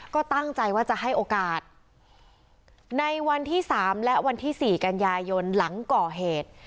ก็ตั้งใจว่าจะให้โอกาสในวันที่๓และวันที่สี่กันยายนหลังก่อเหตุ